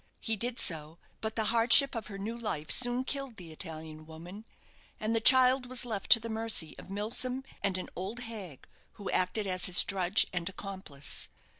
He did so; but the hardship of her new life soon killed the Italian woman; and the child was left to the mercy of Milsom and an old hag who acted as his drudge and accomplice.